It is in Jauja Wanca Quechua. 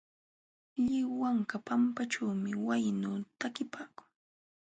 Lliw wanka pampaćhuumi waynu takipaakun.